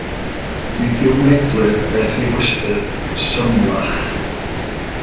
Nid yw'n eglur beth yw ystyr “symlach”.